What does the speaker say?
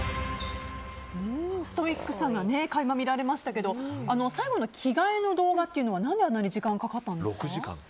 ストイック精神が垣間見られましたけど最後の着替えの動画は、何であんなに時間かかったんですか？